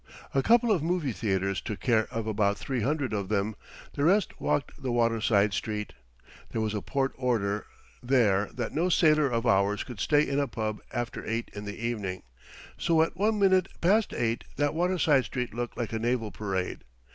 A couple of movie theatres took care of about three hundred of them; the rest walked the waterside street. There was a port order there that no sailor of ours could stay in a pub after eight in the evening, so at one minute past eight that waterside street looked like a naval parade.